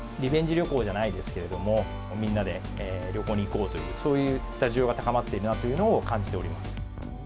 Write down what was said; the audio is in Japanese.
旅行じゃないですけれども、みんなで旅行に行こうという、そういった需要が高まっていると感じております。